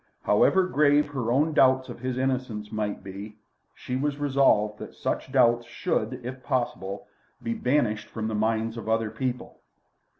However grave her own doubts of his innocence might be, she was resolved that such doubts should, if possible, be banished from the minds of other people.